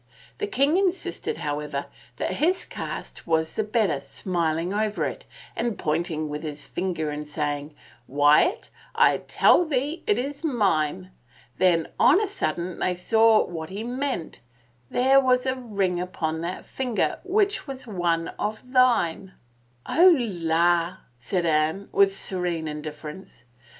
The king insisted, how ever, that his cast was the better, smiling over it, and pointing with his finger and saying, * Wyatt, I tell thee it is mine! ' Then on a sudden they saw what he meant ; there was a ring upon that finger which was one of thine." Oh, la !" said Anne, with serene indifference.